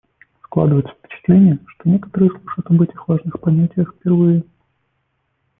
Складывается впечатление, что некоторые слышат об этих важных понятиях впервые.